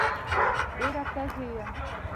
ډېره تږې یم